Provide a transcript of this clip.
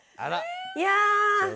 いや。